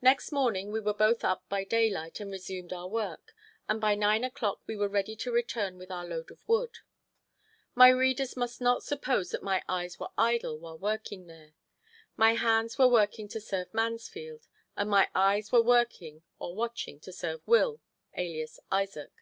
Next morning we were both up by daylight and resumed our work, and by nine o'clock we were ready to return with our load of wood. My readers must not suppose that my eyes were idle while working here. My hands were working to serve Mansfield, and my eyes were working or watching to serve Will, alias Isaac.